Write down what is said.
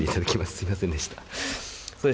すみませんでした。